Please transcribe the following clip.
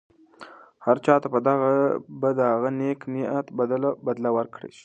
هر چا ته به د هغه د نېک نیت بدله ورکړل شي.